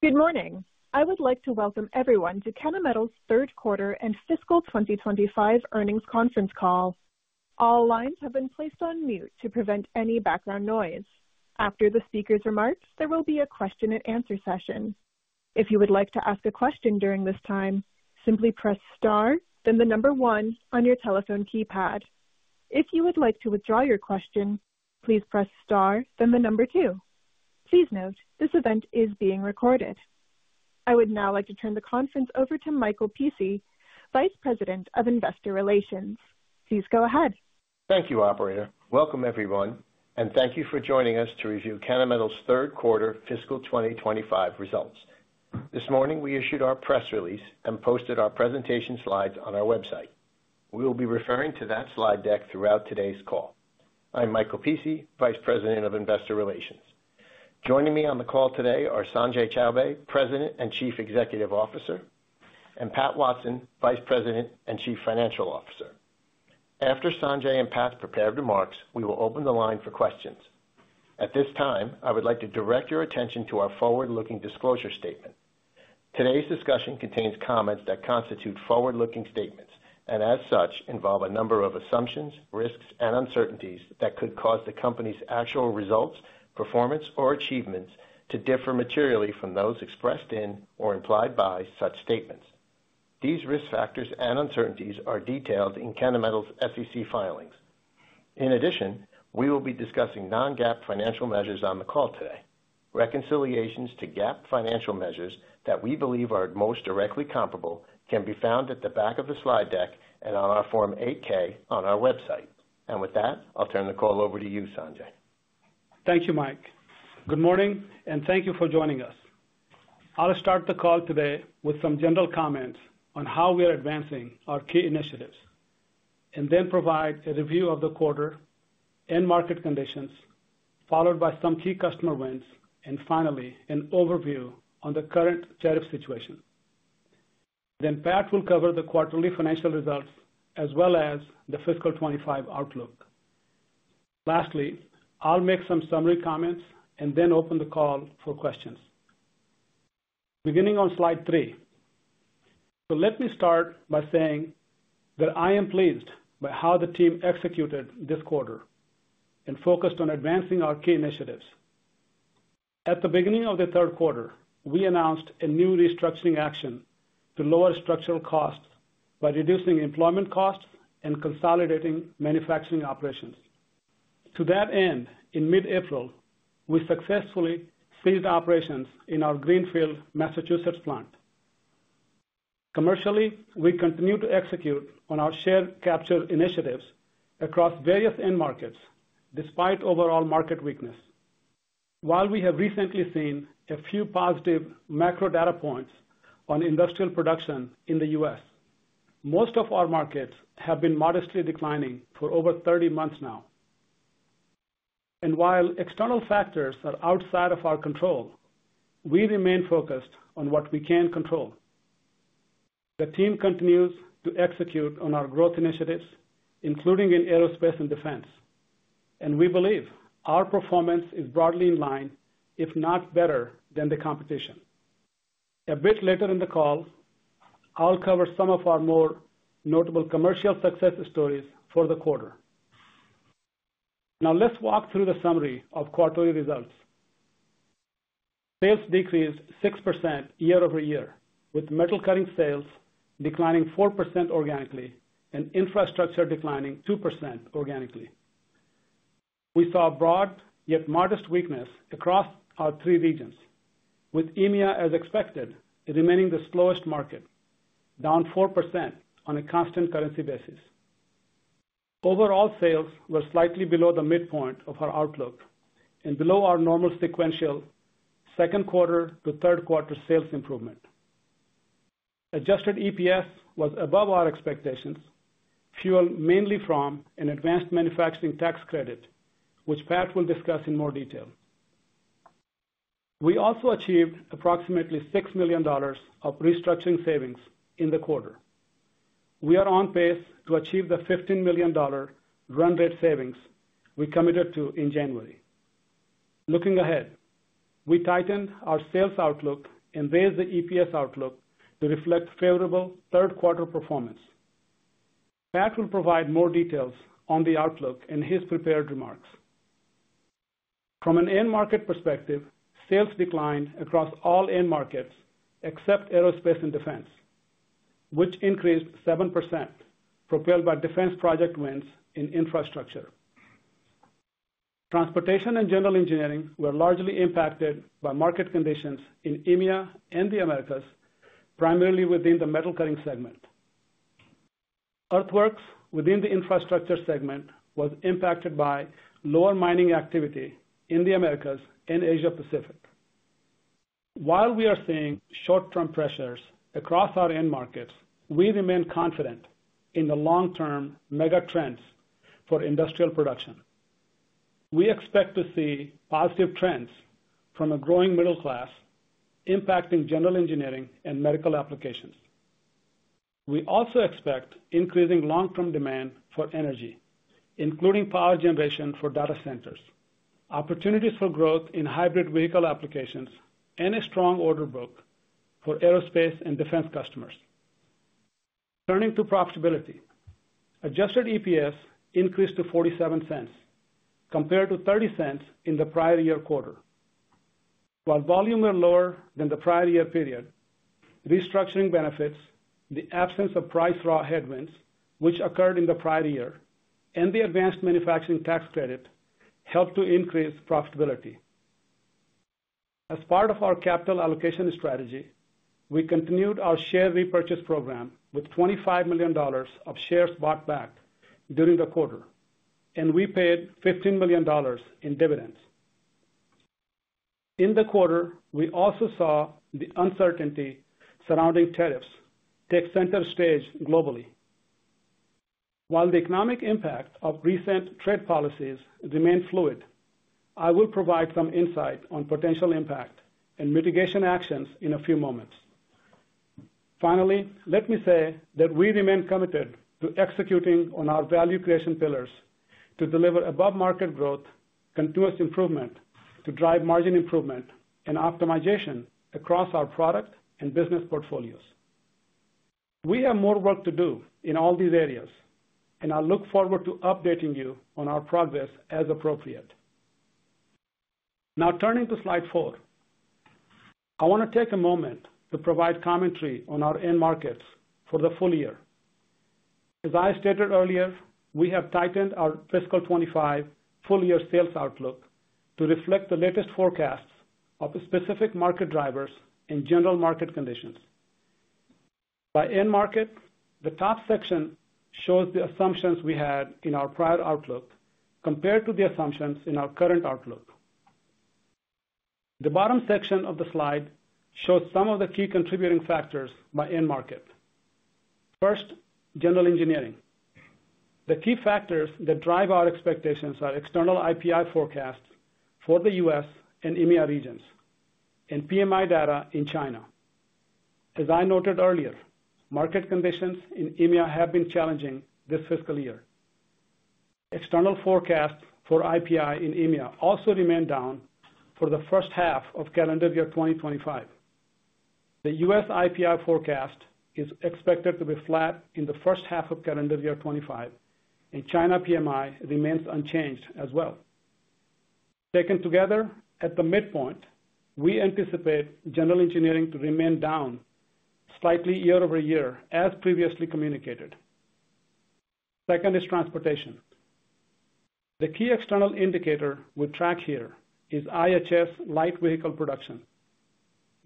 Good morning. I would like to welcome everyone to Kennametal's Third Quarter and Fiscal 2025 Earnings Conference Call. All lines have been placed on mute to prevent any background noise. After the speaker's remarks, there will be a question-and-answer session. If you would like to ask a question during this time, simply press star, then the number one on your telephone keypad. If you would like to withdraw your question, please press star, then the number two. Please note, this event is being recorded. I would now like to turn the conference over to Michael Pici, Vice President of Investor Relations. Please go ahead. Thank you, Operator. Welcome, everyone, and thank you for joining us to review Kennametal's Third Quarter Fiscal 2025 Results. This morning, we issued our press release and posted our presentation slides on our website. We will be referring to that slide deck throughout today's call. I'm Michael Pici, Vice President of Investor Relations. Joining me on the call today are Sanjay Chowbey, President and Chief Executive Officer, and Pat Watson, Vice President and Chief Financial Officer. After Sanjay and Pat's prepared remarks, we will open the line for questions. At this time, I would like to direct your attention to our forward-looking disclosure statement. Today's discussion contains comments that constitute forward-looking statements and, as such, involve a number of assumptions, risks, and uncertainties that could cause the company's actual results, performance, or achievements to differ materially from those expressed in or implied by such statements. These risk factors and uncertainties are detailed in Kennametal's SEC filings. In addition, we will be discussing non-GAAP financial measures on the call today. Reconciliations to GAAP financial measures that we believe are most directly comparable can be found at the back of the slide deck and on our Form 8-K on our website. With that, I'll turn the call over to you, Sanjay. Thank you, Mike. Good morning, and thank you for joining us. I'll start the call today with some general comments on how we are advancing our key initiatives, and then provide a review of the quarter and market conditions, followed by some key customer wins, and finally, an overview on the current tariff situation. Pat will cover the quarterly financial results as well as the fiscal 2025 outlook. Lastly, I'll make some summary comments and then open the call for questions. Beginning on slide three, let me start by saying that I am pleased by how the team executed this quarter and focused on advancing our key initiatives. At the beginning of the third quarter, we announced a new restructuring action to lower structural costs by reducing employment costs and consolidating manufacturing operations. To that end, in mid-April, we successfully phased operations in our Greenfield, Massachusetts plant. Commercially, we continue to execute on our share capture initiatives across various end markets despite overall market weakness. While we have recently seen a few positive macro data points on industrial production in the U.S., most of our markets have been modestly declining for over 30 months now. While external factors are outside of our control, we remain focused on what we can control. The team continues to execute on our growth initiatives, including in aerospace and defense, and we believe our performance is broadly in line, if not better, than the competition. A bit later in the call, I'll cover some of our more notable commercial success stories for the quarter. Now, let's walk through the summary of quarterly results. Sales decreased 6% year over year, with metal cutting sales declining 4% organically and infrastructure declining 2% organically. We saw broad yet modest weakness across our three regions, with EMEA, as expected, remaining the slowest market, down 4% on a constant currency basis. Overall, sales were slightly below the midpoint of our outlook and below our normal sequential second quarter to third quarter sales improvement. Adjusted EPS was above our expectations, fueled mainly from an advanced manufacturing tax credit, which Pat will discuss in more detail. We also achieved approximately $6 million of restructuring savings in the quarter. We are on pace to achieve the $15 million run rate savings we committed to in January. Looking ahead, we tightened our sales outlook and raised the EPS outlook to reflect favorable third quarter performance. Pat will provide more details on the outlook in his prepared remarks. From an end market perspective, sales declined across all end markets except aerospace and defense, which increased 7%, propelled by defense project wins in infrastructure. Transportation and general engineering were largely impacted by market conditions in EMEA and the Americas, primarily within the metal cutting segment. Earthworks within the infrastructure segment were impacted by lower mining activity in the Americas and Asia-Pacific. While we are seeing short-term pressures across our end markets, we remain confident in the long-term mega trends for industrial production. We expect to see positive trends from a growing middle class impacting general engineering and medical applications. We also expect increasing long-term demand for energy, including power generation for data centers, opportunities for growth in hybrid vehicle applications, and a strong order book for aerospace and defense customers. Turning to profitability, adjusted EPS increased to $0.47 compared to $0.30 in the prior year quarter. While volume was lower than the prior year period, restructuring benefits, the absence of price draw headwinds which occurred in the prior year, and the advanced manufacturing tax credit helped to increase profitability. As part of our capital allocation strategy, we continued our share repurchase program with $25 million of shares bought back during the quarter, and we paid $15 million in dividends. In the quarter, we also saw the uncertainty surrounding tariffs take center stage globally. While the economic impact of recent trade policies remained fluid, I will provide some insight on potential impact and mitigation actions in a few moments. Finally, let me say that we remain committed to executing on our value creation pillars to deliver above-market growth, continuous improvement to drive margin improvement, and optimization across our product and business portfolios. We have more work to do in all these areas, and I look forward to updating you on our progress as appropriate. Now, turning to slide four, I want to take a moment to provide commentary on our end markets for the full year. As I stated earlier, we have tightened our fiscal 2025 full year sales outlook to reflect the latest forecasts of specific market drivers and general market conditions. By end market, the top section shows the assumptions we had in our prior outlook compared to the assumptions in our current outlook. The bottom section of the slide shows some of the key contributing factors by end market. First, general engineering. The key factors that drive our expectations are external IPI forecasts for the U.S. and EMEA regions and PMI data in China. As I noted earlier, market conditions in EMEA have been challenging this fiscal year. External forecasts for IPI in EMEA also remain down for the first half of calendar year 2025. The U.S. IPI forecast is expected to be flat in the first half of calendar year 2025, and China PMI remains unchanged as well. Taken together at the midpoint, we anticipate general engineering to remain down slightly year over year, as previously communicated. Second is transportation. The key external indicator we track here is IHS light vehicle production.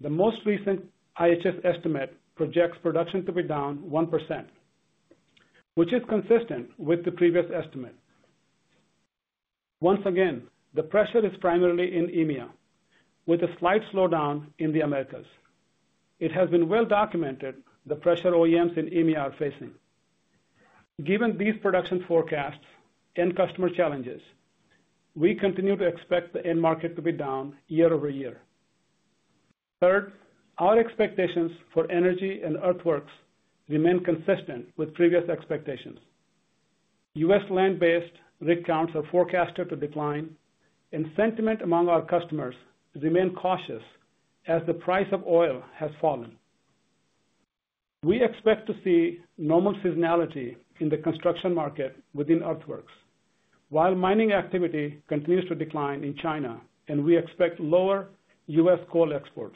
The most recent IHS estimate projects production to be down 1%, which is consistent with the previous estimate. Once again, the pressure is primarily in EMEA, with a slight slowdown in the Americas. It has been well documented the pressure OEMs in EMEA are facing. Given these production forecasts and customer challenges, we continue to expect the end market to be down year-over-year. Third, our expectations for energy and earthworks remain consistent with previous expectations. U.S. land-based rig counts are forecast to decline, and sentiment among our customers remains cautious as the price of oil has fallen. We expect to see normal seasonality in the construction market within earthworks, while mining activity continues to decline in China, and we expect lower U.S. coal exports.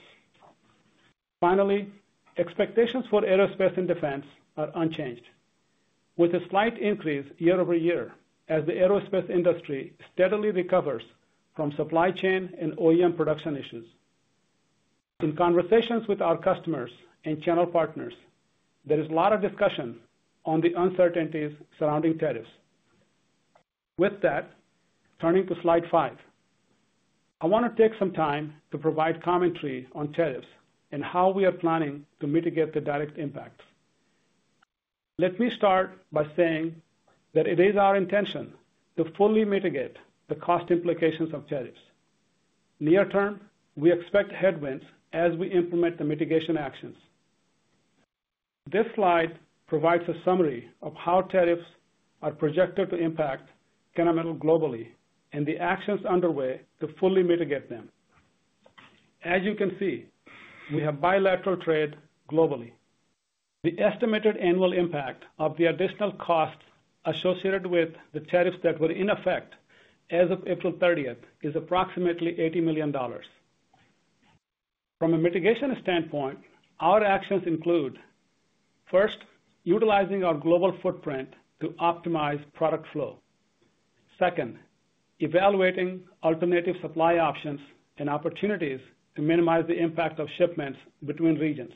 Finally, expectations for aerospace and defense are unchanged, with a slight increase year over year as the aerospace industry steadily recovers from supply chain and OEM production issues. In conversations with our customers and channel partners, there is a lot of discussion on the uncertainties surrounding tariffs. With that, turning to slide five, I want to take some time to provide commentary on tariffs and how we are planning to mitigate the direct impacts. Let me start by saying that it is our intention to fully mitigate the cost implications of tariffs. Near term, we expect headwinds as we implement the mitigation actions. This slide provides a summary of how tariffs are projected to impact Kennametal globally and the actions underway to fully mitigate them. As you can see, we have bilateral trade globally. The estimated annual impact of the additional costs associated with the tariffs that were in effect as of April 30 is approximately $80 million. From a mitigation standpoint, our actions include, first, utilizing our global footprint to optimize product flow. Second, evaluating alternative supply options and opportunities to minimize the impact of shipments between regions.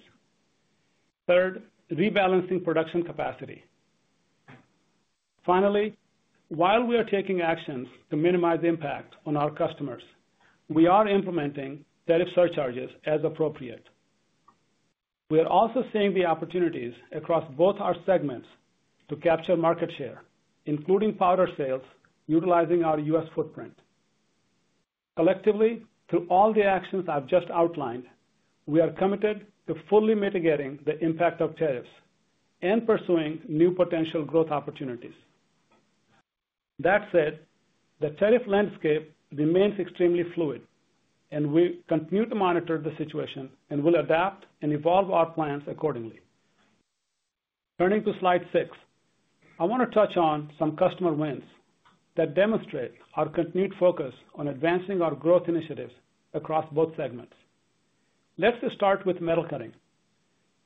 Third, rebalancing production capacity. Finally, while we are taking actions to minimize the impact on our customers, we are implementing tariff surcharges as appropriate. We are also seeing the opportunities across both our segments to capture market share, including powder sales, utilizing our U.S. footprint. Collectively, through all the actions I've just outlined, we are committed to fully mitigating the impact of tariffs and pursuing new potential growth opportunities. That said, the tariff landscape remains extremely fluid, and we continue to monitor the situation and will adapt and evolve our plans accordingly. Turning to slide six, I want to touch on some customer wins that demonstrate our continued focus on advancing our growth initiatives across both segments. Let's start with metal cutting.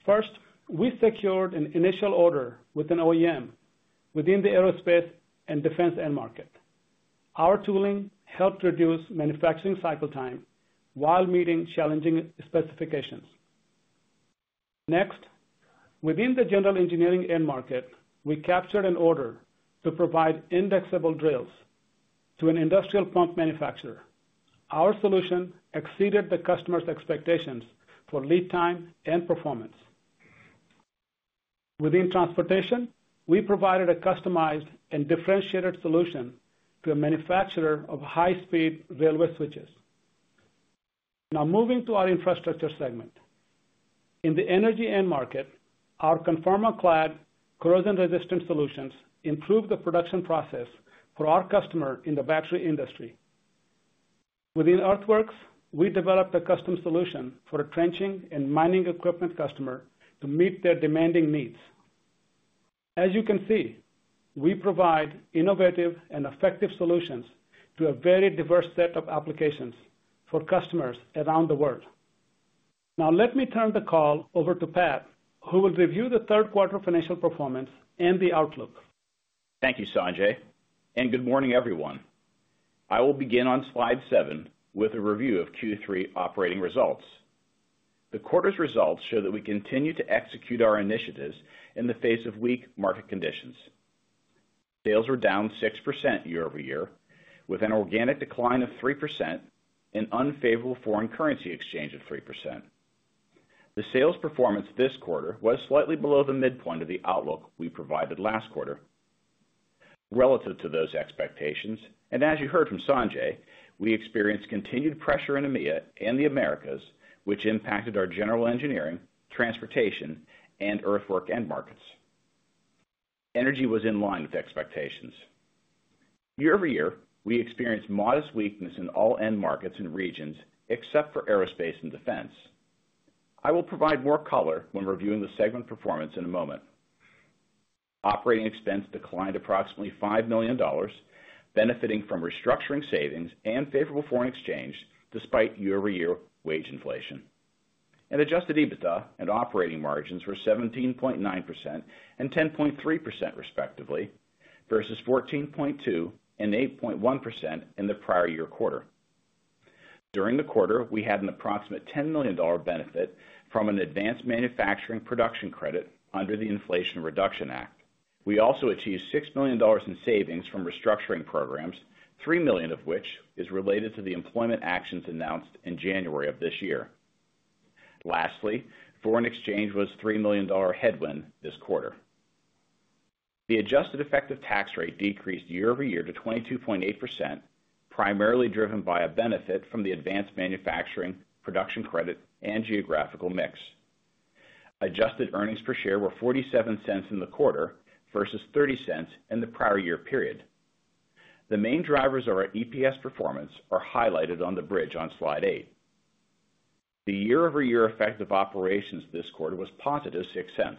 First, we secured an initial order with an OEM within the aerospace and defense end market. Our tooling helped reduce manufacturing cycle time while meeting challenging specifications. Next, within the general engineering end market, we captured an order to provide indexable drills to an industrial pump manufacturer. Our solution exceeded the customer's expectations for lead time and performance. Within transportation, we provided a customized and differentiated solution to a manufacturer of high-speed railway switches. Now, moving to our infrastructure segment. In the energy end market, our conformer clad corrosion-resistant solutions improved the production process for our customer in the battery industry. Within earthworks, we developed a custom solution for a trenching and mining equipment customer to meet their demanding needs. As you can see, we provide innovative and effective solutions to a very diverse set of applications for customers around the world. Now, let me turn the call over to Pat, who will review the third quarter financial performance and the outlook. Thank you, Sanjay. Good morning, everyone. I will begin on slide seven with a review of Q3 operating results. The quarter's results show that we continue to execute our initiatives in the face of weak market conditions. Sales were down 6% year-over-year, with an organic decline of 3% and unfavorable foreign currency exchange of 3%. The sales performance this quarter was slightly below the midpoint of the outlook we provided last quarter relative to those expectations. As you heard from Sanjay, we experienced continued pressure in EMEA and the Americas, which impacted our general engineering, transportation, and earthwork end markets. Energy was in line with expectations. Year-over-year, we experienced modest weakness in all end markets and regions except for aerospace and defense. I will provide more color when reviewing the segment performance in a moment. Operating expense declined approximately $5 million, benefiting from restructuring savings and favorable foreign exchange despite year-over-year wage inflation. Adjusted EBITDA and operating margins were 17.9% and 10.3%, respectively, versus 14.2% and 8.1% in the prior year quarter. During the quarter, we had an approximate $10 million benefit from an advanced manufacturing production credit under the Inflation Reduction Act. We also achieved $6 million in savings from restructuring programs, $3 million of which is related to the employment actions announced in January of this year. Lastly, foreign exchange was a $3 million headwind this quarter. The adjusted effective tax rate decreased year-over-year to 22.8%, primarily driven by a benefit from the advanced manufacturing production credit and geographical mix. Adjusted earnings per share were $0.47 in the quarter versus $0.30 in the prior year period. The main drivers of our EPS performance are highlighted on the bridge on slide eight. The year-over-year effect of operations this quarter was positive $0.06.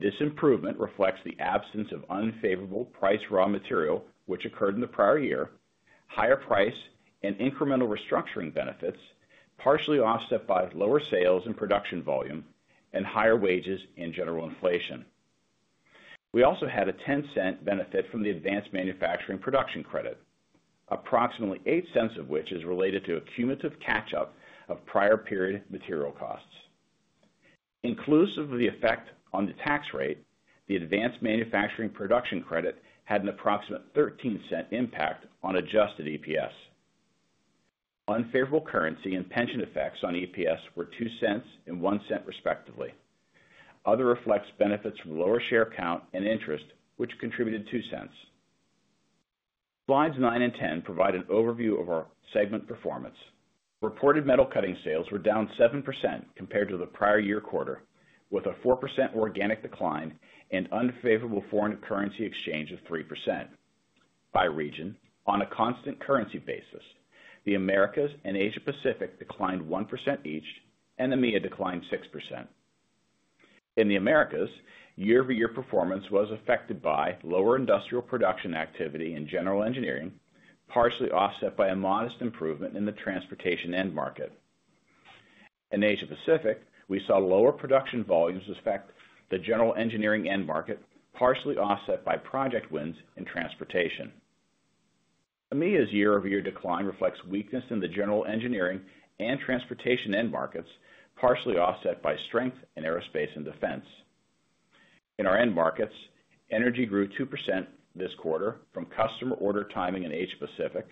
This improvement reflects the absence of unfavorable price raw material, which occurred in the prior year, higher price and incremental restructuring benefits, partially offset by lower sales and production volume, and higher wages and general inflation. We also had a $0.10 benefit from the advanced manufacturing production credit, approximately $0.08 of which is related to a cumulative catch-up of prior period material costs. Inclusive of the effect on the tax rate, the advanced manufacturing production credit had an approximate $0.13 impact on adjusted EPS. Unfavorable currency and pension effects on EPS were $0.02 and $0.01, respectively. Other reflects benefits from lower share count and interest, which contributed $0.02. Slides nine and ten provide an overview of our segment performance. Reported metal cutting sales were down 7% compared to the prior year quarter, with a 4% organic decline and unfavorable foreign currency exchange of 3%. By region, on a constant currency basis, the Americas and Asia-Pacific declined 1% each, and EMEA declined 6%. In the Americas, year-over-year performance was affected by lower industrial production activity and general engineering, partially offset by a modest improvement in the transportation end market. In Asia-Pacific, we saw lower production volumes affect the general engineering end market, partially offset by project wins in transportation. EMEA's year-over-year decline reflects weakness in the general engineering and transportation end markets, partially offset by strength in aerospace and defense. In our end markets, energy grew 2% this quarter from customer order timing in Asia-Pacific.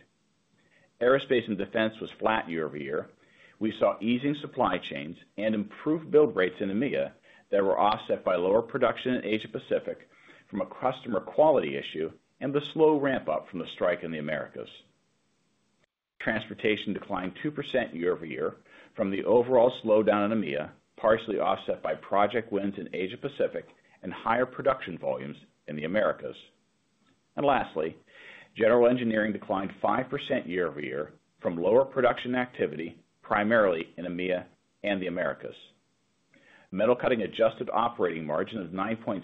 Aerospace and defense was flat year-over-year. We saw easing supply chains and improved build rates in EMEA that were offset by lower production in Asia-Pacific from a customer quality issue and the slow ramp-up from the strike in the Americas. Transportation declined 2% year over year from the overall slowdown in EMEA, partially offset by project wins in Asia-Pacific and higher production volumes in the Americas. Lastly, general engineering declined 5% year over year from lower production activity primarily in EMEA and the Americas. Metal cutting adjusted operating margin of 9.6%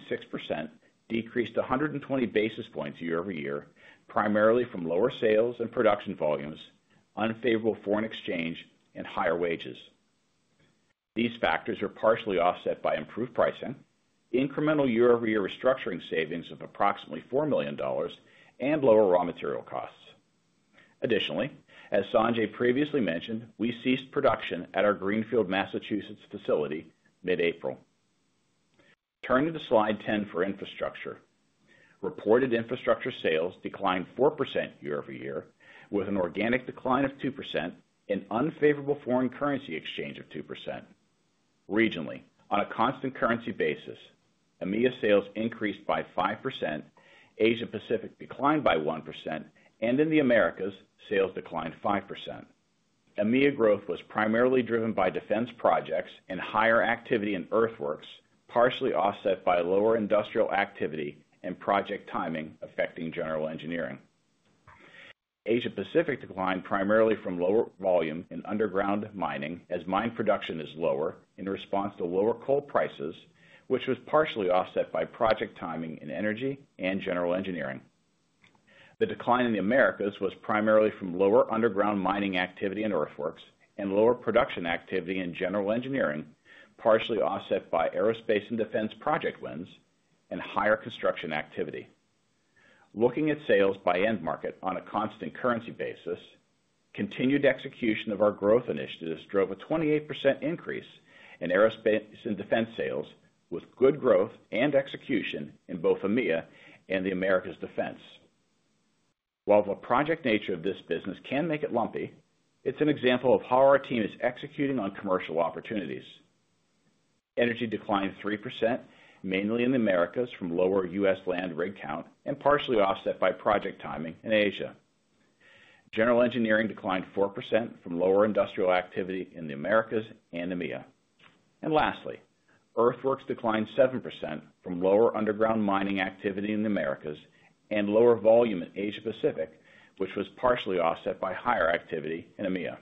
decreased 120 basis points year over year, primarily from lower sales and production volumes, unfavorable foreign exchange, and higher wages. These factors are partially offset by improved pricing, incremental year-over-year restructuring savings of approximately $4 million, and lower raw material costs. Additionally, as Sanjay previously mentioned, we ceased production at our Greenfield, Massachusetts facility mid-April. Turning to slide ten for infrastructure. Reported infrastructure sales declined 4% year over year, with an organic decline of 2% and unfavorable foreign currency exchange of 2%. Regionally, on a constant currency basis, EMEA sales increased by 5%, Asia-Pacific declined by 1%, and in the Americas, sales declined 5%. EMEA growth was primarily driven by defense projects and higher activity in earthworks, partially offset by lower industrial activity and project timing affecting general engineering. Asia-Pacific declined primarily from lower volume in underground mining as mine production is lower in response to lower coal prices, which was partially offset by project timing in energy and general engineering. The decline in the Americas was primarily from lower underground mining activity in earthworks and lower production activity in general engineering, partially offset by aerospace and defense project wins and higher construction activity. Looking at sales by end market on a constant currency basis, continued execution of our growth initiatives drove a 28% increase in aerospace and defense sales, with good growth and execution in both EMEA and the Americas defense. While the project nature of this business can make it lumpy, it's an example of how our team is executing on commercial opportunities. Energy declined 3%, mainly in the Americas from lower U.S. land rig count and partially offset by project timing in Asia. General engineering declined 4% from lower industrial activity in the Americas and EMEA. Lastly, earthworks declined 7% from lower underground mining activity in the Americas and lower volume in Asia-Pacific, which was partially offset by higher activity in EMEA.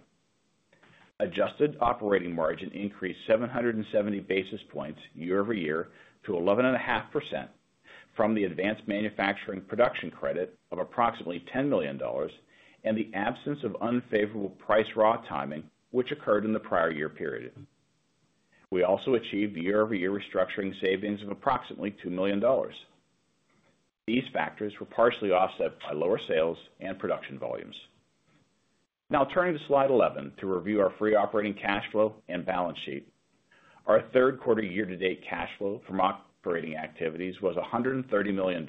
Adjusted operating margin increased 770 basis points year-over-year to 11.5% from the advanced manufacturing production credit of approximately $10 million and the absence of unfavorable price raw timing, which occurred in the prior year period. We also achieved year-over-year restructuring savings of approximately $2 million. These factors were partially offset by lower sales and production volumes. Now, turning to slide 11 to review our free operating cash flow and balance sheet. Our third quarter year-to-date cash flow from operating activities was $130 million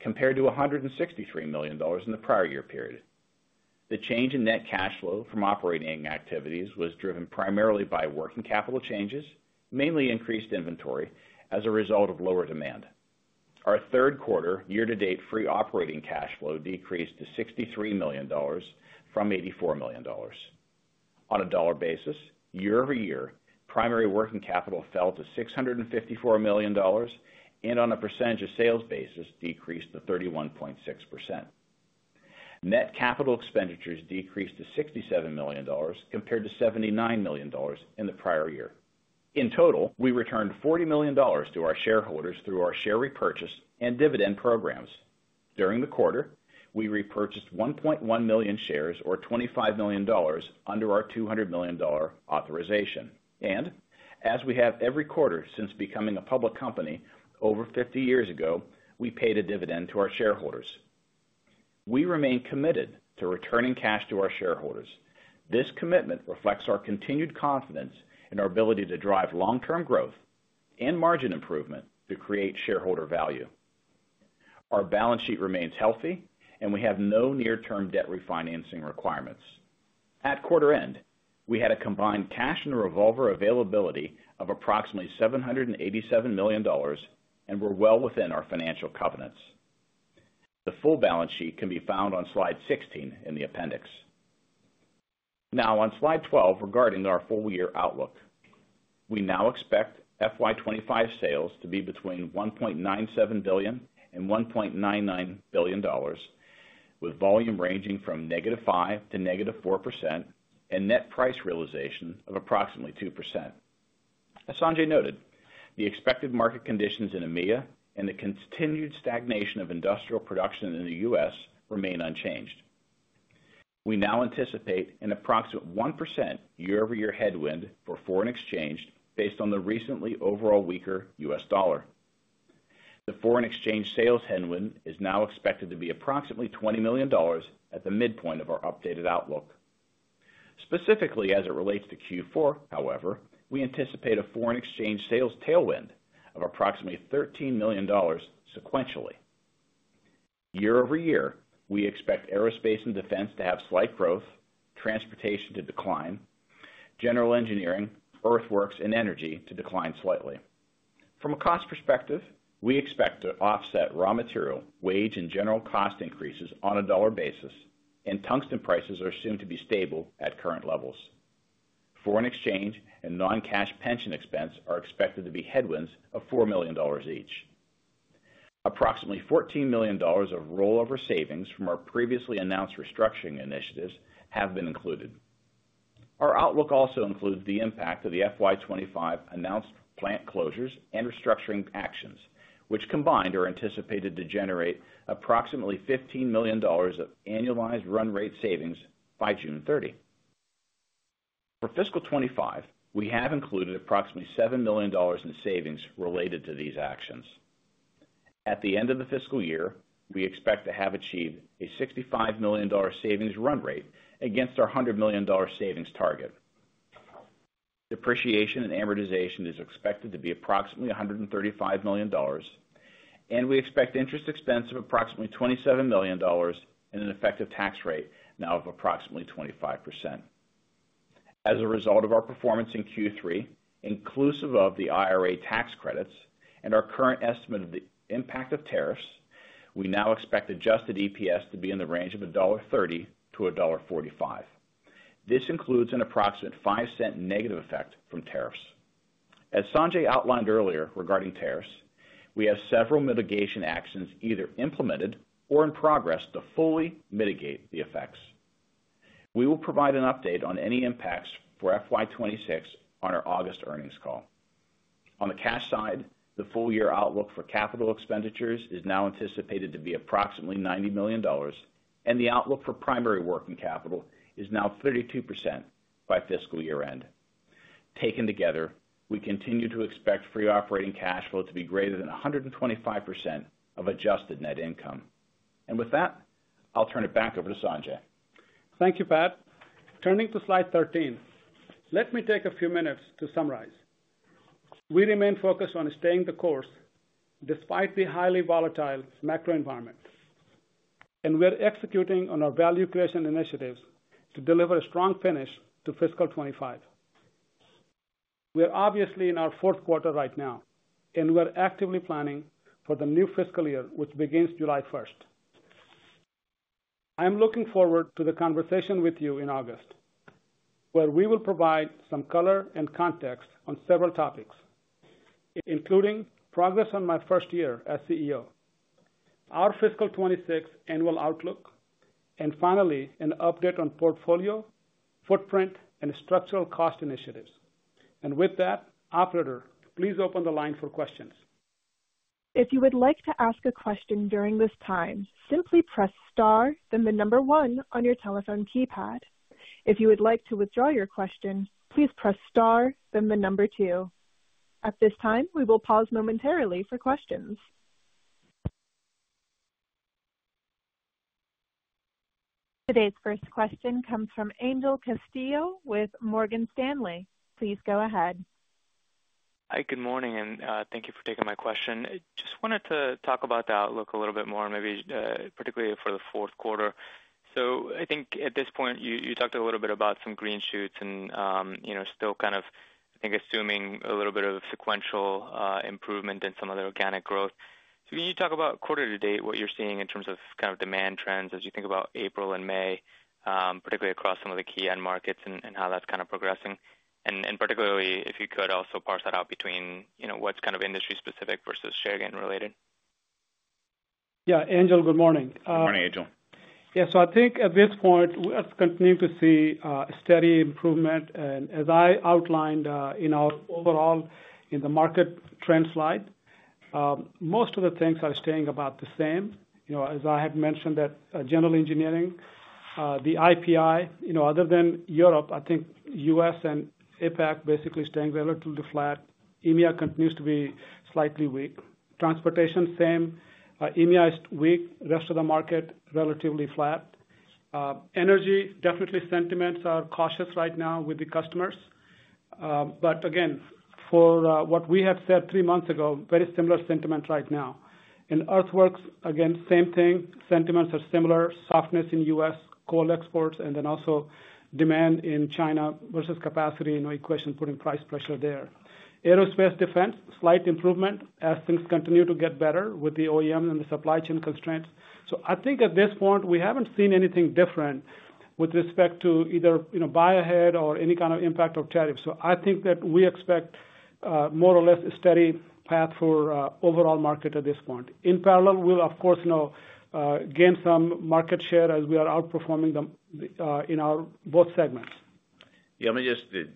compared to $163 million in the prior year period. The change in net cash flow from operating activities was driven primarily by working capital changes, mainly increased inventory as a result of lower demand. Our third quarter year-to-date free operating cash flow decreased to $63 million from $84 million. On a dollar basis, year over year, primary working capital fell to $654 million, and on a percentage of sales basis, decreased to 31.6%. Net capital expenditures decreased to $67 million compared to $79 million in the prior year. In total, we returned $40 million to our shareholders through our share repurchase and dividend programs. During the quarter, we repurchased 1.1 million shares or $25 million under our $200 million authorization. As we have every quarter since becoming a public company over 50 years ago, we paid a dividend to our shareholders. We remain committed to returning cash to our shareholders. This commitment reflects our continued confidence in our ability to drive long-term growth and margin improvement to create shareholder value. Our balance sheet remains healthy, and we have no near-term debt refinancing requirements. At quarter end, we had a combined cash and revolver availability of approximately $787 million and were well within our financial covenants. The full balance sheet can be found on slide 16 in the appendix. Now, on slide 12 regarding our full year outlook, we now expect FY2025 sales to be between $1.97 billion and $1.99 billion, with volume ranging from -5% to -4% and net price realization of approximately 2%. As Sanjay noted, the expected market conditions in EMEA and the continued stagnation of industrial production in the U.S. remain unchanged. We now anticipate an approximate 1% year-over-year headwind for foreign exchange based on the recently overall weaker U.S. dollar. The foreign exchange sales headwind is now expected to be approximately $20 million at the midpoint of our updated outlook. Specifically, as it relates to Q4, however, we anticipate a foreign exchange sales tailwind of approximately $13 million sequentially. Year-over-year, we expect aerospace and defense to have slight growth, transportation to decline, general engineering, earthworks, and energy to decline slightly. From a cost perspective, we expect to offset raw material, wage, and general cost increases on a dollar basis, and tungsten prices are assumed to be stable at current levels. Foreign exchange and non-cash pension expense are expected to be headwinds of $4 million each. Approximately $14 million of rollover savings from our previously announced restructuring initiatives have been included. Our outlook also includes the impact of the fiscal 2025 announced plant closures and restructuring actions, which combined are anticipated to generate approximately $15 million of annualized run rate savings by June 30. For fiscal 2025, we have included approximately $7 million in savings related to these actions. At the end of the fiscal year, we expect to have achieved a $65 million savings run rate against our $100 million savings target. Depreciation and amortization is expected to be approximately $135 million, and we expect interest expense of approximately $27 million and an effective tax rate now of approximately 25%. As a result of our performance in Q3, inclusive of the IRA tax credits and our current estimate of the impact of tariffs, we now expect adjusted EPS to be in the range of $1.30-$1.45. This includes an approximate $0.05 negative effect from tariffs. As Sanjay outlined earlier regarding tariffs, we have several mitigation actions either implemented or in progress to fully mitigate the effects. We will provide an update on any impacts for FY2026 on our August earnings call. On the cash side, the full year outlook for capital expenditures is now anticipated to be approximately $90 million, and the outlook for primary working capital is now 32% by fiscal year end. Taken together, we continue to expect free operating cash flow to be greater than 125% of adjusted net income. With that, I'll turn it back over to Sanjay. Thank you, Pat. Turning to slide 13, let me take a few minutes to summarize. We remain focused on staying the course despite the highly volatile macro environment, and we are executing on our value creation initiatives to deliver a strong finish to fiscal 2025. We are obviously in our fourth quarter right now, and we are actively planning for the new fiscal year, which begins July 1. I am looking forward to the conversation with you in August, where we will provide some color and context on several topics, including progress on my first year as CEO, our fiscal 2026 annual outlook, and finally, an update on portfolio, footprint, and structural cost initiatives. With that, Operator, please open the line for questions. If you would like to ask a question during this time, simply press star, then the number one on your telephone keypad. If you would like to withdraw your question, please press star, then the number two. At this time, we will pause momentarily for questions. Today's first question comes from Angel Castillo with Morgan Stanley. Please go ahead. Hi, good morning, and thank you for taking my question. Just wanted to talk about the outlook a little bit more, maybe particularly for the fourth quarter. I think at this point, you talked a little bit about some green shoots and still kind of, I think, assuming a little bit of sequential improvement in some of the organic growth. Can you talk about quarter to date, what you're seeing in terms of kind of demand trends as you think about April and May, particularly across some of the key end markets and how that's kind of progressing? Particularly, if you could also parse that out between what's kind of industry-specific versus share gain related. Yeah, Angel, good morning. Good morning, Angel. Yeah, I think at this point, we are continuing to see a steady improvement. As I outlined in our overall in the market trend slide, most of the things are staying about the same. As I had mentioned, that general engineering, the IPI, other than Europe, I think U.S. and Asia-Pacific basically staying relatively flat. EMEA continues to be slightly weak. Transportation, same. EMEA is weak. Rest of the market relatively flat. Energy, definitely sentiments are cautious right now with the customers. For what we had said three months ago, very similar sentiment right now. Earthworks, again, same thing. Sentiments are similar. Softness in U.S. coal exports and then also demand in China versus capacity equation putting price pressure there. Aerospace defense, slight improvement as things continue to get better with the OEMs and the supply chain constraints. I think at this point, we haven't seen anything different with respect to either buy ahead or any kind of impact of tariffs. I think that we expect more or less a steady path for overall market at this point. In parallel, we'll, of course, gain some market share as we are outperforming them in both segments. Yeah,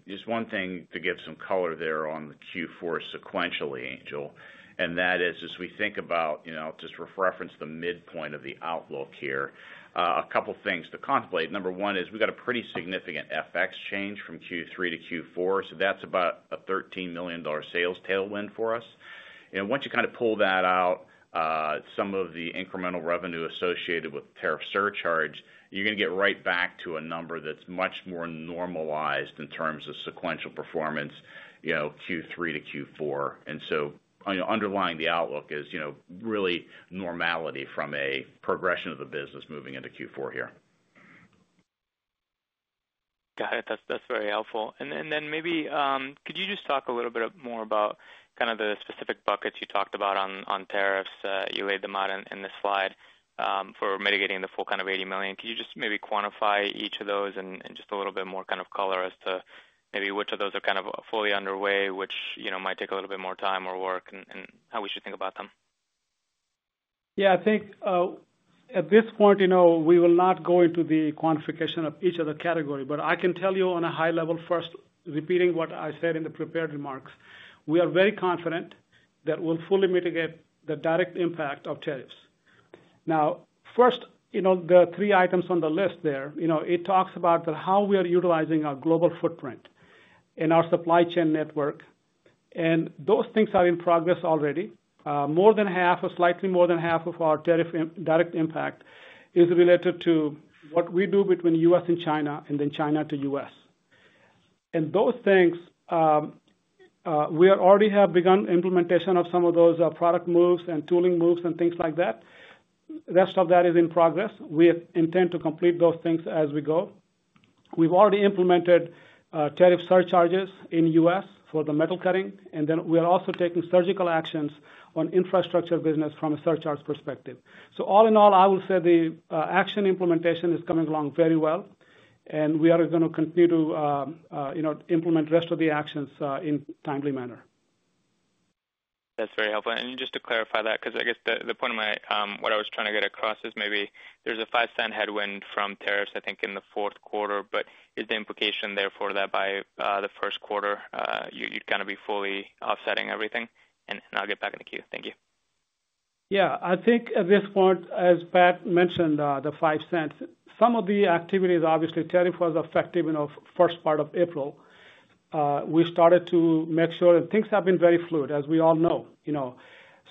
just one thing to give some color there on the Q4 sequentially, Angel, and that is as we think about, just reference the midpoint of the outlook here, a couple of things to contemplate. Number one is we've got a pretty significant FX change from Q3 to Q4. That's about a $13 million sales tailwind for us. Once you kind of pull that out, some of the incremental revenue associated with tariff surcharge, you're going to get right back to a number that's much more normalized in terms of sequential performance Q3 to Q4. Underlying the outlook is really normality from a progression of the business moving into Q4 here. Got it. That's very helpful. Maybe could you just talk a little bit more about the specific buckets you talked about on tariffs? You laid them out in the slide for mitigating the full $80 million. Could you maybe quantify each of those and just a little bit more color as to which of those are fully underway, which might take a little bit more time or work, and how we should think about them? Yeah, I think at this point, we will not go into the quantification of each of the categories. But I can tell you on a high level first, repeating what I said in the prepared remarks, we are very confident that we'll fully mitigate the direct impact of tariffs. Now, first, the three items on the list there, it talks about how we are utilizing our global footprint and our supply chain network. And those things are in progress already. More than half, or slightly more than half of our direct impact is related to what we do between the U.S. and China and then China to U.S. And those things, we already have begun implementation of some of those product moves and tooling moves and things like that. The rest of that is in progress. We intend to complete those things as we go. We've already implemented tariff surcharges in the U.S. for the metal cutting, and then we are also taking surgical actions on infrastructure business from a surcharge perspective. All in all, I will say the action implementation is coming along very well, and we are going to continue to implement the rest of the actions in a timely manner. That's very helpful. Just to clarify that, because I guess the point of what I was trying to get across is maybe there's a $0.05 headwind from tariffs, I think, in the fourth quarter, but is the implication therefore that by the first quarter, you'd kind of be fully offsetting everything? I'll get back in the queue. Thank you. Yeah, I think at this point, as Pat mentioned, the $0.05, some of the activity is obviously tariff was effective in the first part of April. We started to make sure, and things have been very fluid, as we all know.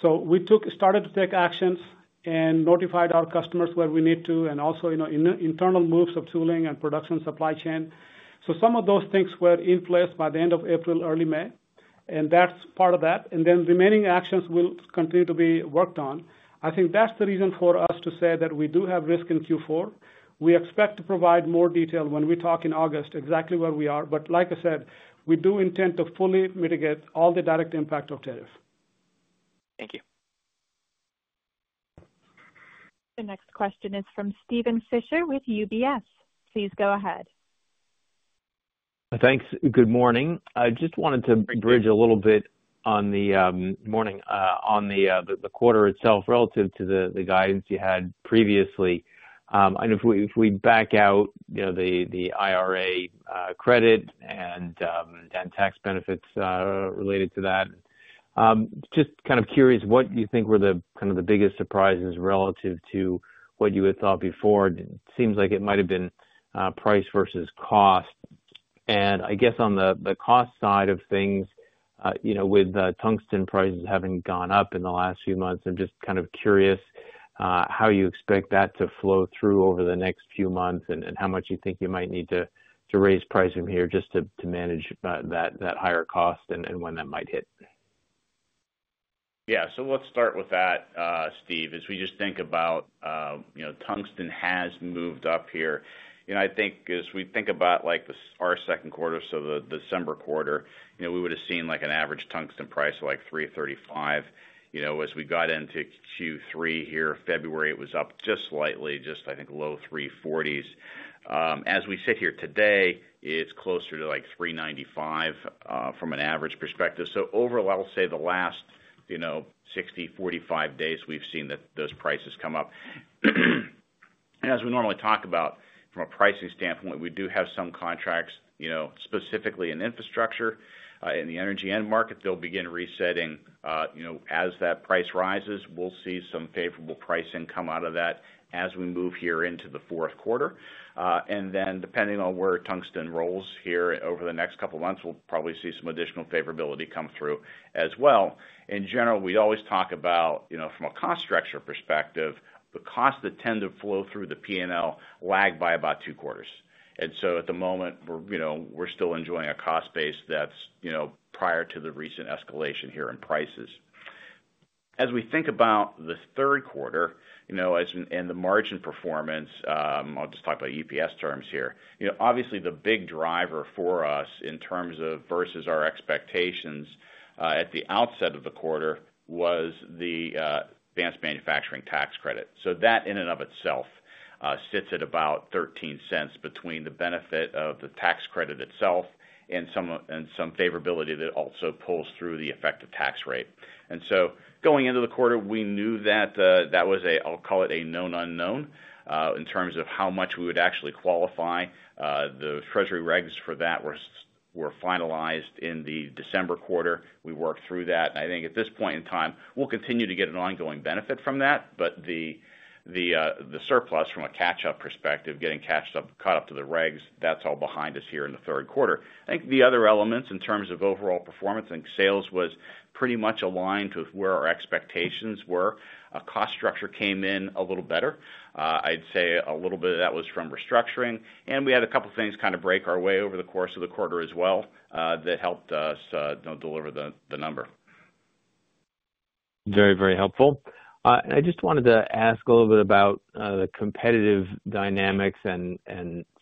We started to take actions and notified our customers where we need to, and also internal moves of tooling and production supply chain. Some of those things were in place by the end of April, early May, and that's part of that. The remaining actions will continue to be worked on. I think that's the reason for us to say that we do have risk in Q4. We expect to provide more detail when we talk in August, exactly where we are. Like I said, we do intend to fully mitigate all the direct impact of tariff. Thank you. The next question is from Steven Fisher with UBS. Please go ahead. Thanks. Good morning. I just wanted to bridge a little bit on the morning on the quarter itself relative to the guidance you had previously. I know if we back out the IRA credit and tax benefits related to that, just kind of curious what you think were the kind of the biggest surprises relative to what you had thought before. It seems like it might have been price versus cost. I guess on the cost side of things, with tungsten prices having gone up in the last few months, I'm just kind of curious how you expect that to flow through over the next few months and how much you think you might need to raise price from here just to manage that higher cost and when that might hit. Yeah, so let's start with that, Steve, as we just think about tungsten has moved up here. I think as we think about our second quarter, so the December quarter, we would have seen an average tungsten price of like $3.35. As we got into Q3 here, February, it was up just slightly, just I think low $3.40. As we sit here today, it's closer to like $3.95 from an average perspective. Overall, I'll say the last 60, 45 days, we've seen those prices come up. As we normally talk about from a pricing standpoint, we do have some contracts specifically in infrastructure in the energy end market. They'll begin resetting as that price rises. We'll see some favorable pricing come out of that as we move here into the fourth quarter. Depending on where tungsten rolls here over the next couple of months, we'll probably see some additional favorability come through as well. In general, we always talk about from a cost structure perspective, the cost that tended to flow through the P&L lagged by about two quarters. At the moment, we're still enjoying a cost base that's prior to the recent escalation here in prices. As we think about the third quarter and the margin performance, I'll just talk about EPS terms here. Obviously, the big driver for us in terms of versus our expectations at the outset of the quarter was the advanced manufacturing tax credit. That in and of itself sits at about $0.13 between the benefit of the tax credit itself and some favorability that also pulls through the effective tax rate. Going into the quarter, we knew that that was a, I'll call it a known unknown in terms of how much we would actually qualify. The treasury regs for that were finalized in the December quarter. We worked through that. I think at this point in time, we'll continue to get an ongoing benefit from that. The surplus from a catch-up perspective, getting caught up to the regs, that's all behind us here in the third quarter. I think the other elements in terms of overall performance, I think sales was pretty much aligned with where our expectations were. Cost structure came in a little better. I'd say a little bit of that was from restructuring. We had a couple of things kind of break our way over the course of the quarter as well that helped us deliver the number. Very, very helpful. I just wanted to ask a little bit about the competitive dynamics and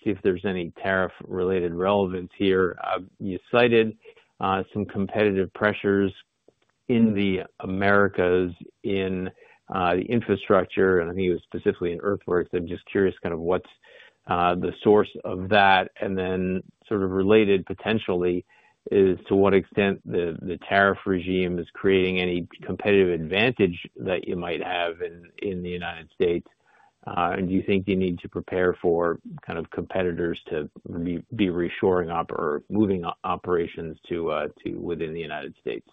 see if there's any tariff-related relevance here. You cited some competitive pressures in the Americas in the infrastructure, and I think it was specifically in earthworks. I'm just curious kind of what's the source of that. And then sort of related potentially is to what extent the tariff regime is creating any competitive advantage that you might have in the United States. And do you think you need to prepare for kind of competitors to be reshoring up or moving operations to within the United States?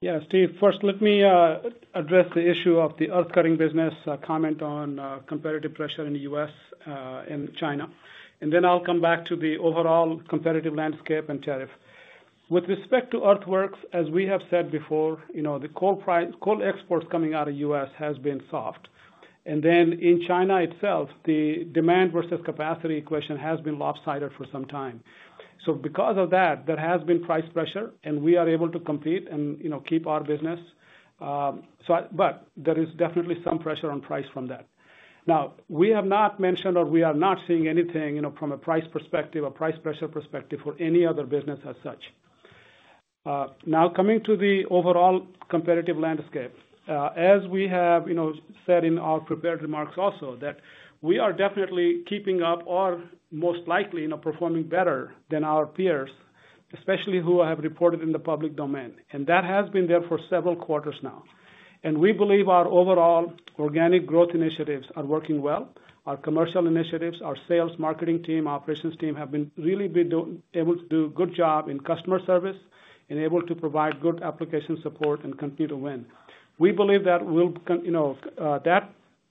Yeah, Steve, first, let me address the issue of the earth-cutting business, comment on competitive pressure in the U.S. and China. And then I'll come back to the overall competitive landscape and tariff. With respect to earthworks, as we have said before, the coal exports coming out of the U.S. has been soft. And then in China itself, the demand versus capacity equation has been lopsided for some time. Because of that, there has been price pressure, and we are able to compete and keep our business. There is definitely some pressure on price from that. Now, we have not mentioned or we are not seeing anything from a price perspective, a price pressure perspective for any other business as such. Now, coming to the overall competitive landscape, as we have said in our prepared remarks also, we are definitely keeping up or most likely performing better than our peers, especially who have reported in the public domain. That has been there for several quarters now. We believe our overall organic growth initiatives are working well. Our commercial initiatives, our sales, marketing team, operations team have been really able to do a good job in customer service and able to provide good application support and continue to win. We believe that that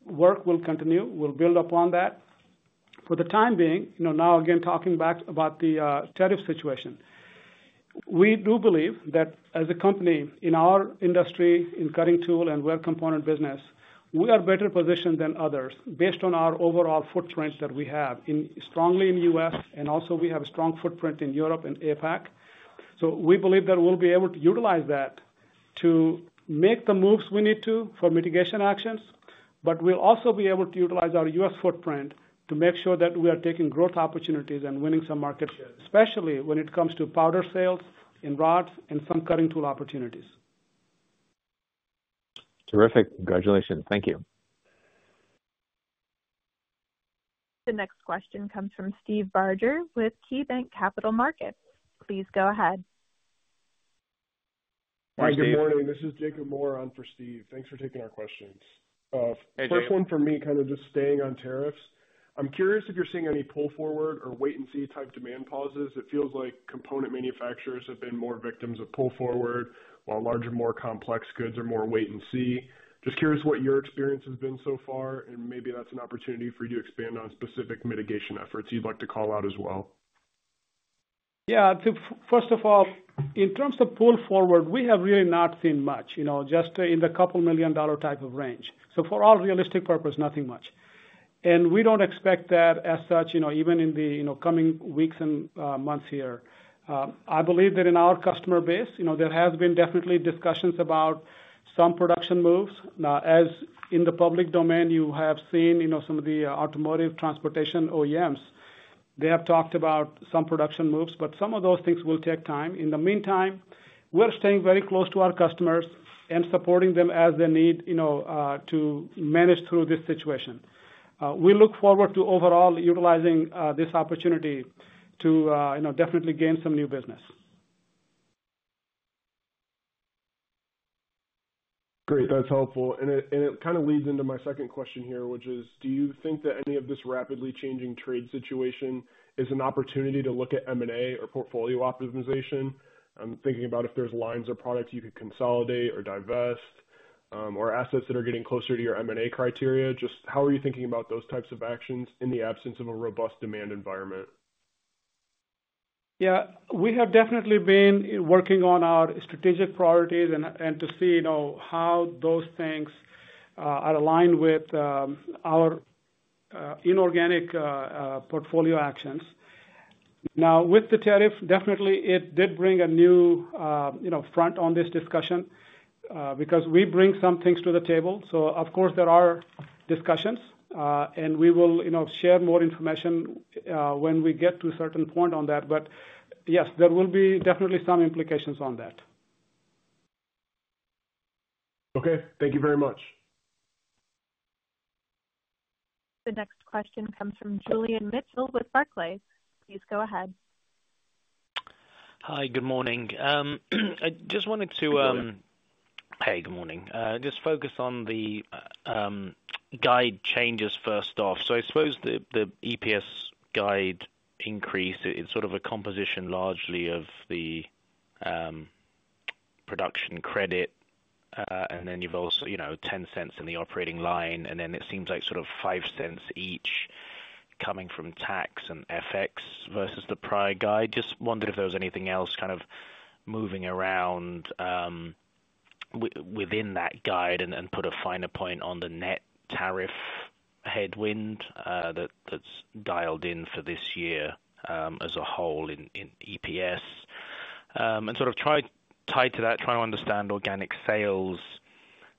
work will continue. We'll build upon that. For the time being, now again, talking back about the tariff situation, we do believe that as a company in our industry in cutting tool and weld component business, we are better positioned than others based on our overall footprint that we have strongly in the U.S., and also we have a strong footprint in Europe and APAC. We believe that we'll be able to utilize that to make the moves we need to for mitigation actions, but we'll also be able to utilize our U.S. footprint to make sure that we are taking growth opportunities and winning some markets, especially when it comes to powder sales in rods and some cutting tool opportunities. Terrific. Congratulations. Thank you. The next question comes from Steve Barger with KeyBanc Capital Markets. Please go ahead. Hi, good morning. This is Jacob Moran for Steve. Thanks for taking our questions. First one for me, kind of just staying on tariffs. I'm curious if you're seeing any pull forward or wait-and-see type demand pauses. It feels like component manufacturers have been more victims of pull forward while larger and more complex goods are more wait-and-see. Just curious what your experience has been so far, and maybe that's an opportunity for you to expand on specific mitigation efforts you'd like to call out as well. Yeah. First of all, in terms of pull forward, we have really not seen much, just in the couple million dollar type of range. So for all realistic purpose, nothing much. And we don't expect that as such, even in the coming weeks and months here. I believe that in our customer base, there has been definitely discussions about some production moves. As in the public domain, you have seen some of the automotive transportation OEMs, they have talked about some production moves, but some of those things will take time. In the meantime, we're staying very close to our customers and supporting them as they need to manage through this situation. We look forward to overall utilizing this opportunity to definitely gain some new business. Great. That's helpful. It kind of leads into my second question here, which is, do you think that any of this rapidly changing trade situation is an opportunity to look at M&A or portfolio optimization? I'm thinking about if there's lines or products you could consolidate or divest or assets that are getting closer to your M&A criteria. Just how are you thinking about those types of actions in the absence of a robust demand environment? Yeah. We have definitely been working on our strategic priorities and to see how those things are aligned with our inorganic portfolio actions. Now, with the tariff, definitely it did bring a new front on this discussion because we bring some things to the table. Of course, there are discussions, and we will share more information when we get to a certain point on that. Yes, there will be definitely some implications on that. Okay. Thank you very much. The next question comes from Julian Mitchell with Barclays. Please go ahead. Hi, good morning. I just wanted to, hey, good morning. Just focus on the guide changes first off. I suppose the EPS guide increase, it's sort of a composition largely of the production credit, and then you've also $0.10 in the operating line, and then it seems like sort of $0.05 each coming from tax and FX versus the prior guide. Just wondered if there was anything else kind of moving around within that guide and put a finer point on the net tariff headwind that's dialed in for this year as a whole in EPS. Sort of tied to that, trying to understand organic sales,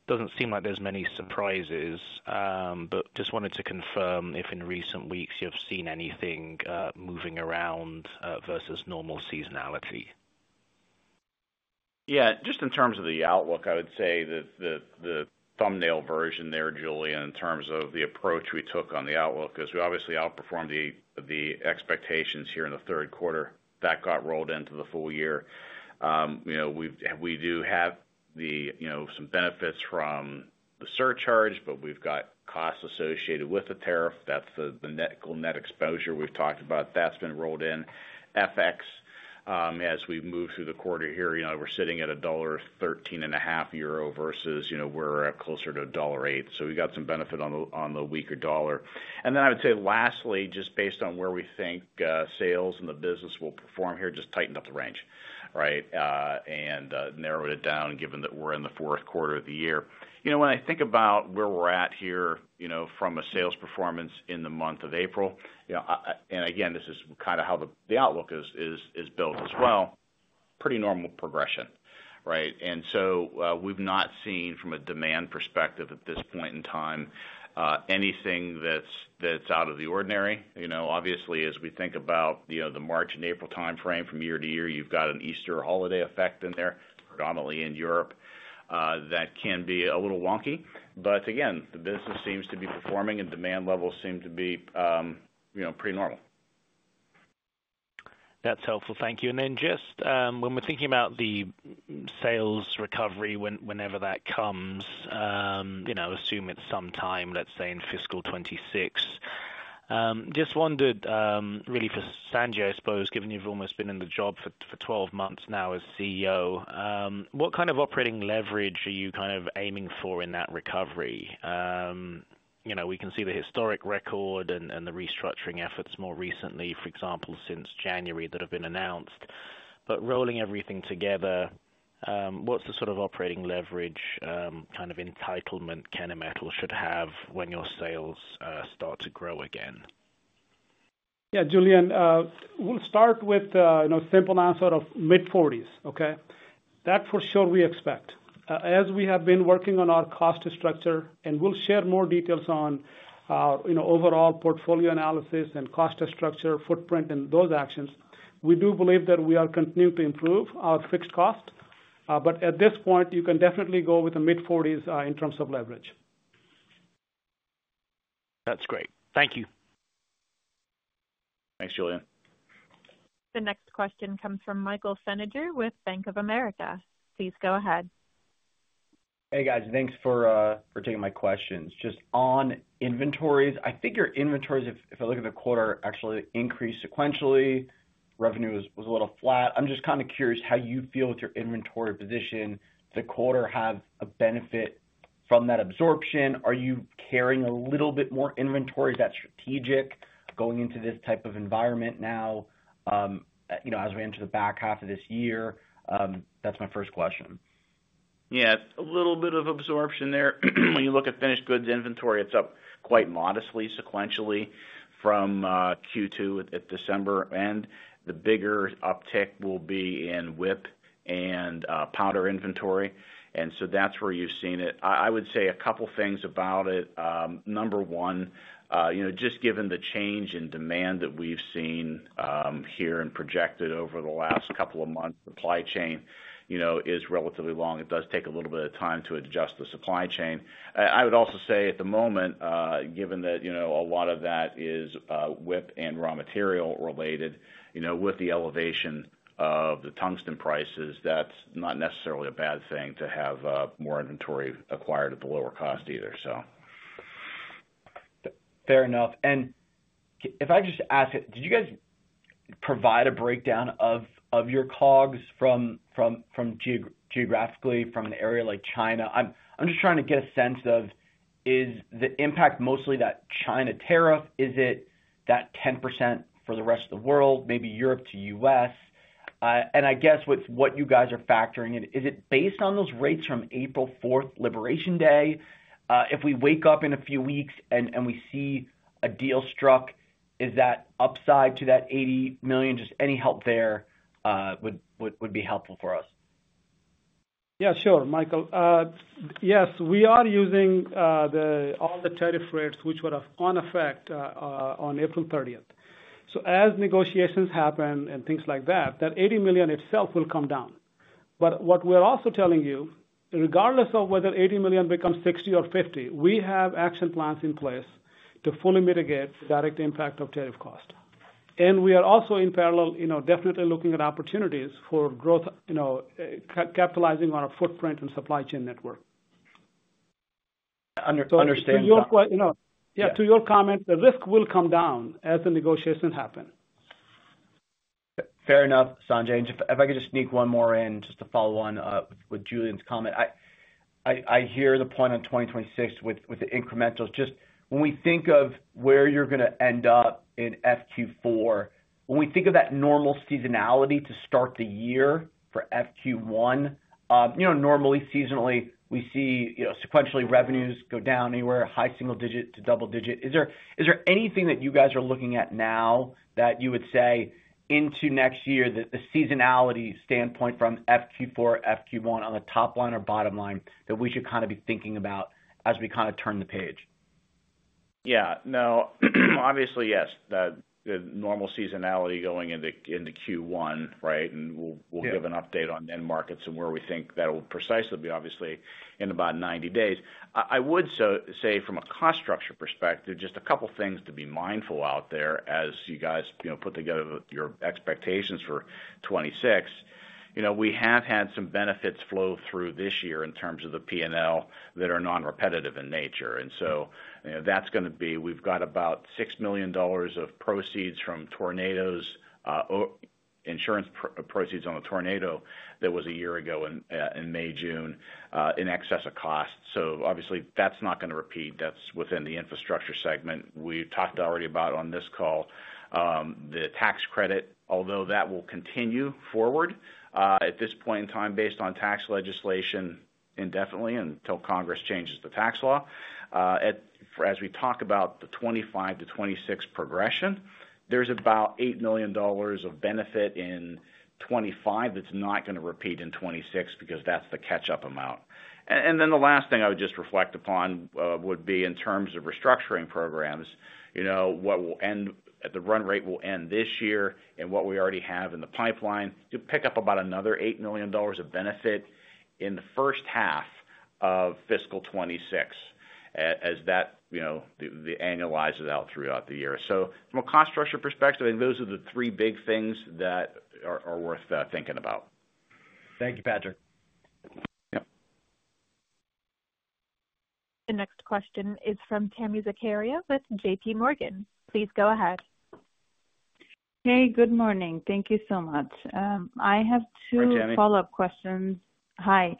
doesn't seem like there's many surprises, but just wanted to confirm if in recent weeks you've seen anything moving around versus normal seasonality. Yeah. Just in terms of the outlook, I would say that the thumbnail version there, Julian, in terms of the approach we took on the outlook is we obviously outperformed the expectations here in the third quarter that got rolled into the full year. We do have some benefits from the surcharge, but we've got costs associated with the tariff. That's the net exposure we've talked about. That's been rolled in FX. As we move through the quarter here, we're sitting at a $1.135 euro versus we're closer to a $1.08. So we got some benefit on the weaker dollar. I would say lastly, just based on where we think sales and the business will perform here, just tightened up the range, right, and narrowed it down given that we're in the fourth quarter of the year. When I think about where we're at here from a sales performance in the month of April, and again, this is kind of how the outlook is built as well, pretty normal progression, right? We've not seen from a demand perspective at this point in time anything that's out of the ordinary. Obviously, as we think about the March and April timeframe from year to year, you've got an Easter holiday effect in there, predominantly in Europe, that can be a little wonky. The business seems to be performing, and demand levels seem to be pretty normal. That's helpful. Thank you. Just when we're thinking about the sales recovery, whenever that comes, assume it's sometime, let's say, in fiscal 2026. Just wondered really for Sanjay, I suppose, given you've almost been in the job for 12 months now as CEO, what kind of operating leverage are you kind of aiming for in that recovery? We can see the historic record and the restructuring efforts more recently, for example, since January that have been announced. But rolling everything together, what's the sort of operating leverage kind of entitlement Kennametal should have when your sales start to grow again? Yeah, Julian, we'll start with a simple answer of mid-40s, okay? That for sure we expect. As we have been working on our cost structure, and we'll share more details on our overall portfolio analysis and cost structure, footprint, and those actions, we do believe that we are continuing to improve our fixed cost. At this point, you can definitely go with the mid-40s in terms of leverage. That's great. Thank you. Thanks, Julian. The next question comes from Michael Feniger with Bank of America. Please go ahead. Hey, guys. Thanks for taking my questions. Just on inventories, I figure inventories, if I look at the quarter, actually increased sequentially. Revenue was a little flat. I'm just kind of curious how you feel with your inventory position. Does the quarter have a benefit from that absorption? Are you carrying a little bit more inventory? Is that strategic going into this type of environment now as we enter the back half of this year? That's my first question. Yeah. A little bit of absorption there. When you look at finished goods inventory, it's up quite modestly sequentially from Q2 at December. And the bigger uptick will be in WIP and powder inventory. And so that's where you've seen it. I would say a couple of things about it. Number one, just given the change in demand that we've seen here and projected over the last couple of months, supply chain is relatively long. It does take a little bit of time to adjust the supply chain. I would also say at the moment, given that a lot of that is WIP and raw material related, with the elevation of the tungsten prices, that's not necessarily a bad thing to have more inventory acquired at the lower cost either, so. Fair enough. If I just ask it, did you guys provide a breakdown of your COGS from geographically from an area like China? I'm just trying to get a sense of, is the impact mostly that China tariff? Is it that 10% for the rest of the world, maybe Europe to US? I guess with what you guys are factoring in, is it based on those rates from April 4th, Liberation Day? If we wake up in a few weeks and we see a deal struck, is that upside to that $80 million? Just any help there would be helpful for us. Yeah, sure, Michael. Yes, we are using all the tariff rates, which were in effect on April 30th. As negotiations happen and things like that, that $80 million itself will come down. What we're also telling you, regardless of whether $80 million becomes $60 million or $50 million, we have action plans in place to fully mitigate the direct impact of tariff cost. We are also in parallel definitely looking at opportunities for growth, capitalizing on our footprint and supply chain network. Understand that. Yeah, to your comment, the risk will come down as the negotiations happen. Fair enough, Sanjay. If I could just sneak one more in just to follow on with Julian's comment, I hear the point on 2026 with the incrementals. Just when we think of where you're going to end up in FQ4, when we think of that normal seasonality to start the year for FQ1, normally, seasonally, we see sequentially revenues go down anywhere high single digit to double digit. Is there anything that you guys are looking at now that you would say into next year that the seasonality standpoint from FQ4, FQ1 on the top line or bottom line that we should kind of be thinking about as we kind of turn the page? Yeah. No, obviously, yes. The normal seasonality going into Q1, right? We'll give an update on end markets and where we think that will precisely be obviously in about 90 days. I would say from a cost structure perspective, just a couple of things to be mindful out there as you guys put together your expectations for 2026. We have had some benefits flow through this year in terms of the P&L that are non-repetitive in nature. That is going to be we have got about $6 million of proceeds from tornadoes, insurance proceeds on the tornado that was a year ago in May, June, in excess of cost. Obviously, that is not going to repeat. That is within the infrastructure segment. We talked already about on this call, the tax credit, although that will continue forward at this point in time based on tax legislation indefinitely until Congress changes the tax law. As we talk about the 2025 to 2026 progression, there is about $8 million of benefit in 2025 that is not going to repeat in 2026 because that is the catch-up amount. The last thing I would just reflect upon would be in terms of restructuring programs, what will end the run rate will end this year and what we already have in the pipeline to pick up about another $8 million of benefit in the first half of fiscal 2026 as that annualizes out throughout the year. From a cost structure perspective, I think those are the three big things that are worth thinking about. Thank you, Patrick. Yep. The next question is from Tami Zakaria with JPMorgan. Please go ahead. Hey, good morning. Thank you so much. I have two follow-up questions. Hi.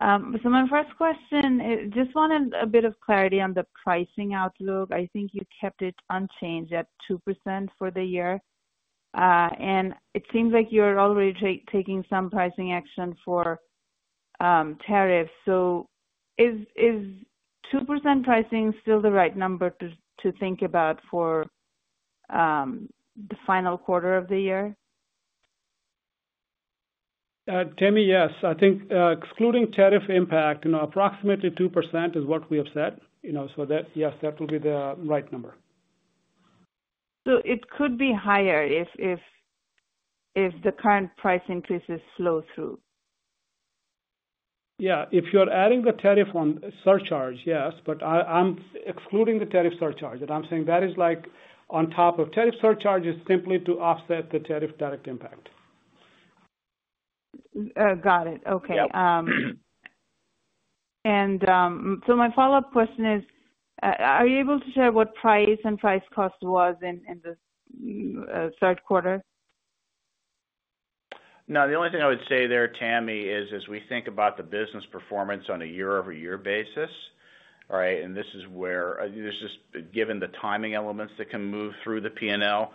My first question, just wanted a bit of clarity on the pricing outlook. I think you kept it unchanged at 2% for the year. It seems like you're already taking some pricing action for tariffs. Is 2% pricing still the right number to think about for the final quarter of the year? Tami, yes. I think excluding tariff impact, approximately 2% is what we have said. Yes, that will be the right number. It could be higher if the current price increases flow through. Yeah. If you're adding the tariff on surcharge, yes. I'm excluding the tariff surcharge. I'm saying that is on top of tariff surcharges simply to offset the tariff direct impact. Got it. Okay. My follow-up question is, are you able to share what price and price cost was in the third quarter? No, the only thing I would say there, Tami, is as we think about the business performance on a year-over-year basis, right? This is where this is given the timing elements that can move through the P&L.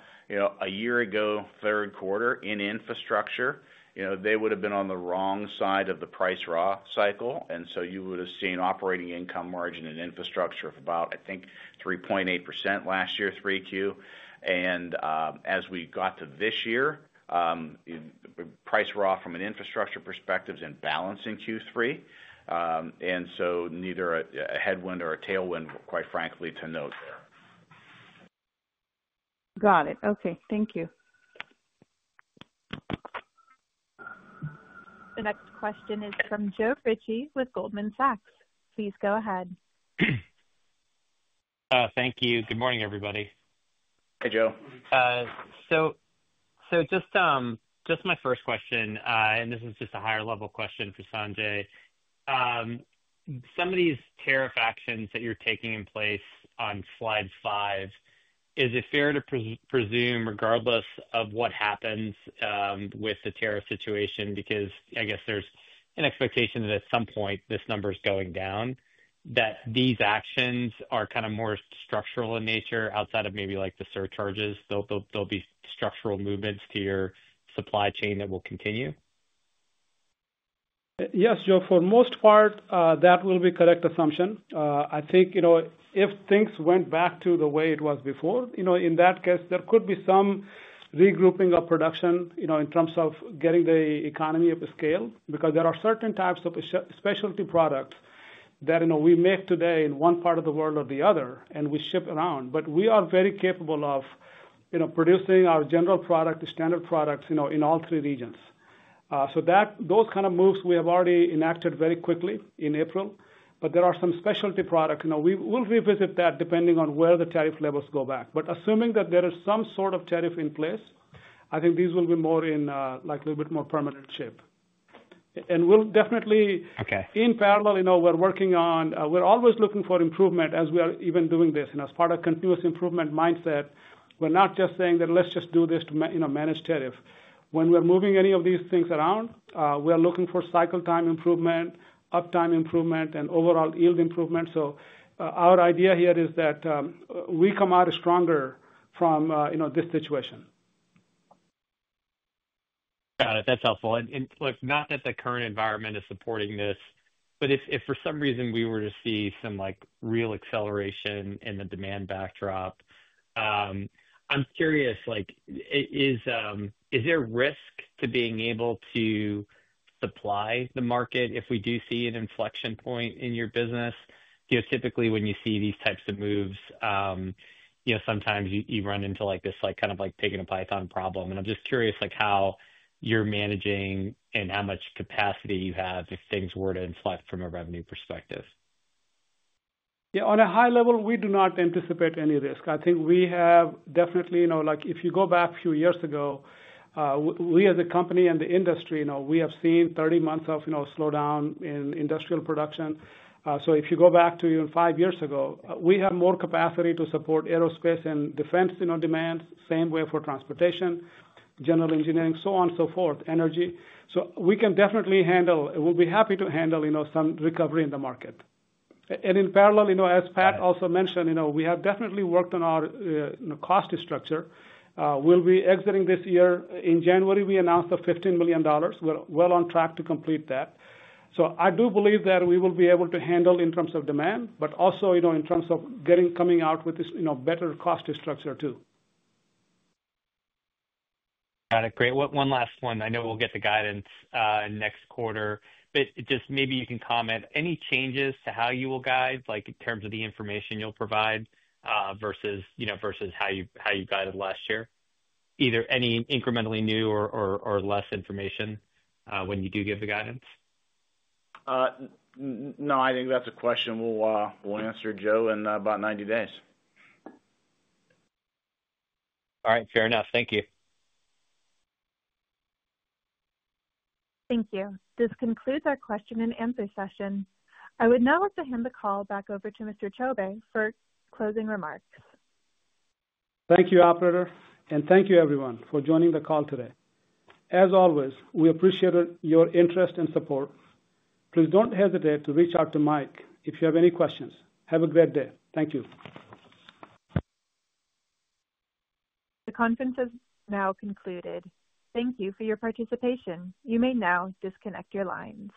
A year ago, third quarter, in infrastructure, they would have been on the wrong side of the price raw cycle. You would have seen operating income margin in infrastructure of about, I think, 3.8% last year, 3Q. As we got to this year, price raw from an infrastructure perspective is in balance in Q3. Neither a headwind or a tailwind, quite frankly, to note there. Got it. Okay. Thank you. The next question is from Joe Richie with Goldman Sachs. Please go ahead. Thank you. Good morning, everybody. Hey, Joe. Just my first question, and this is just a higher-level question for Sanjay. Some of these tariff actions that you're taking in place on slide five, is it fair to presume regardless of what happens with the tariff situation, because I guess there's an expectation that at some point this number is going down, that these actions are kind of more structural in nature outside of maybe the surcharges? There'll be structural movements to your supply chain that will continue? Yes, Joe. For the most part, that will be a correct assumption. I think if things went back to the way it was before, in that case, there could be some regrouping of production in terms of getting the economy up to scale, because there are certain types of specialty products that we make today in one part of the world or the other, and we ship around. We are very capable of producing our general product, standard products in all three regions. Those kind of moves we have already enacted very quickly in April. There are some specialty products. We'll revisit that depending on where the tariff levels go back. Assuming that there is some sort of tariff in place, I think these will be more in a little bit more permanent shape. We'll definitely, in parallel, we're working on, we're always looking for improvement as we are even doing this. As part of continuous improvement mindset, we're not just saying that let's just do this to manage tariff. When we're moving any of these things around, we're looking for cycle time improvement, uptime improvement, and overall yield improvement. Our idea here is that we come out stronger from this situation. Got it. That's helpful. Look, not that the current environment is supporting this, but if for some reason we were to see some real acceleration in the demand backdrop, I'm curious, is there risk to being able to supply the market if we do see an inflection point in your business? Typically, when you see these types of moves, sometimes you run into this kind of pig in a python problem. I'm just curious how you're managing and how much capacity you have if things were to inflect from a revenue perspective. Yeah. On a high level, we do not anticipate any risk. I think we have definitely, if you go back a few years ago, we as a company and the industry, we have seen 30 months of slowdown in industrial production. If you go back to even five years ago, we have more capacity to support aerospace and defense demands, same way for transportation, general engineering, so on and so forth, energy. We can definitely handle, we'll be happy to handle some recovery in the market. In parallel, as Pat also mentioned, we have definitely worked on our cost structure. We'll be exiting this year. In January, we announced the $15 million. We're well on track to complete that. I do believe that we will be able to handle in terms of demand, but also in terms of coming out with this better cost structure too. Got it. Great. One last one. I know we'll get the guidance next quarter, but just maybe you can comment. Any changes to how you will guide in terms of the information you'll provide versus how you guided last year? Either any incrementally new or less information when you do give the guidance? No, I think that's a question we'll answer, Joe, in about 90 days. All right. Fair enough. Thank you. Thank you. This concludes our question and answer session. I would now like to hand the call back over to Mr. Chowbey for closing remarks. Thank you, Operator. And thank you, everyone, for joining the call today. As always, we appreciate your interest and support. Please don't hesitate to reach out to Mike if you have any questions. Have a great day. Thank you. The conference has now concluded. Thank you for your participation. You may now disconnect your lines.